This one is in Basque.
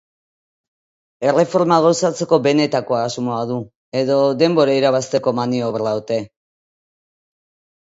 Erreforma gauzatzeko benetako asmoa du, edo denbora irabazteko maniobra ote?